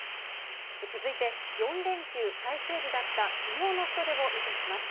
続いて４連休最終日だったきのうの人出を見ていきます。